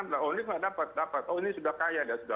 di klik aja mana oh ini sudah dapat oh ini sudah kaya